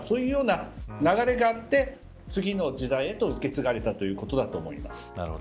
そのような流れがあって次の時代へと受け継がれたということだと思います。